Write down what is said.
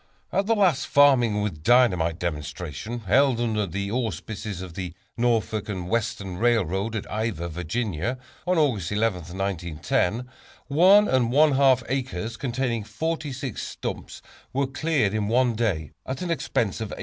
At the latest "Farming with Dynamite" demonstration, held under the auspices of the Norfolk and Western Railroad, at Ivor, Va., on August 11, 1910, one and one half acres, containing forty six stumps were cleared in one day, at an expense of $18.